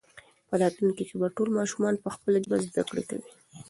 په راتلونکي کې به ټول ماشومان په خپله ژبه زده کړه کوي.